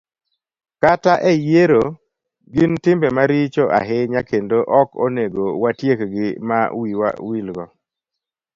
kata e yiero, gin timbe maricho ahinya kendo ok onego watiekgi ma wiwa wilgo.